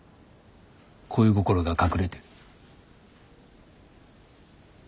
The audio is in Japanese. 恋心が隠れてる？